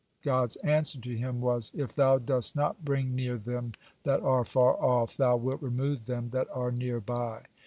God's answer to him was: "If thou dost not bring near them that are far off, thou wilt remove them that are near by."